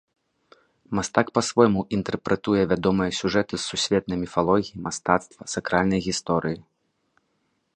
Мастак па-свойму інтэрпрэтуе вядомыя сюжэты з сусветнай міфалогіі, мастацтва, сакральнай гісторыі.